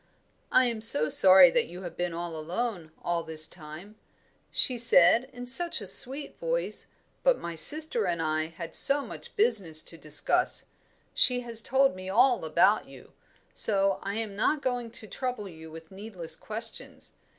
'I am so sorry that you have been alone all this time,' she said, in such a sweet voice, 'but my sister and I had so much business to discuss. She has told me all about you, so I am not going to trouble you with needless questions.